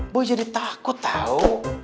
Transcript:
boy jadi takut tau